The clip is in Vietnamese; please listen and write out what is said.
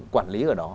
quản lý ở đó